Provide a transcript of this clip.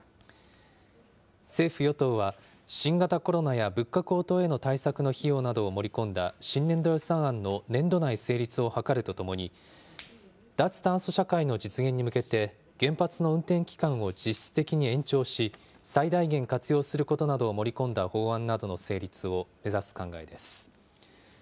政府・与党は、新型コロナや物価高騰への対策の費用などを盛り込んだ、新年度予算案の年度内成立を図るとともに、脱炭素社会の実現に向けて、原発の運転期間を実質的に延長し、最大限活用することなどを盛り込んだ法案などの成立を目指す考えです。